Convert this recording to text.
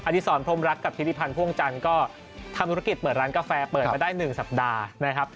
อดิษรพรมรักกับทิศพิธีพันธ์ภ่วงจันทร์ก็ทำธุรกิจเปิดร้านกาแฟเปิดไปได้๑สัปดาห์